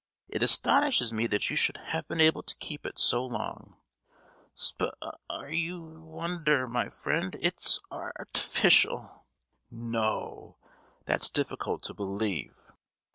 It astonishes me that you should have been able to keep it so long!" "Sp—are your wonder, my friend, it's ar—tificial!" "No!! That's difficult to believe!